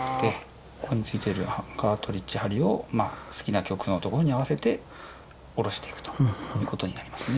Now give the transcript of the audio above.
ここについてるカートリッジ針を好きな曲のところに合わせて下ろしていくという事になりますね。